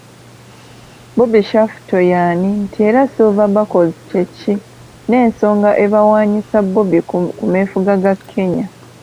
Bobby Shaftoe' y'ani nti era ‘Silver buckles’ kye ki, n’ensonga ebawaanyisa 'Bobby' ku meefuga ga Kenya.